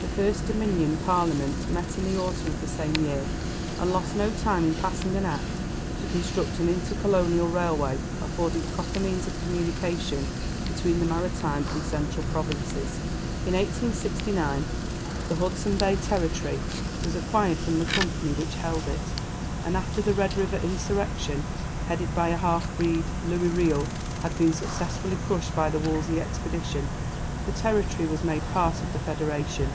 The first Dominion Parliament met in the autumn of the same year, and lost no time in passing an Act to construct an Inter Colonial Railway affording proper means of communication between the maritime and central provinces. In 1869 the Hudson Bay territory was acquired from the Company which held it, and after the Red River Insurrection, headed by a half breed, Louis Riel, had been successfully crushed by the Wolseley Expedition, the territory was made part of the Federation.